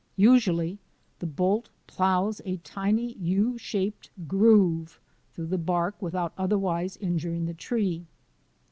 Usually the bolt plows a tiny U shaped groove through the bark without otherwise injuring the tree.